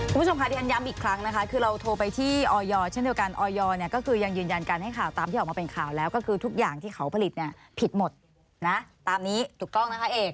คุณผู้ชมค่ะที่ฉันย้ำอีกครั้งนะคะคือเราโทรไปที่ออยเช่นเดียวกันออยเนี่ยก็คือยังยืนยันการให้ข่าวตามที่ออกมาเป็นข่าวแล้วก็คือทุกอย่างที่เขาผลิตเนี่ยผิดหมดนะตามนี้ถูกต้องนะคะเอก